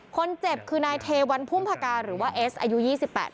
คนเจ็บคือนายเทวันพุ่มพกาหรือว่าเอสอายุ๒๘ปี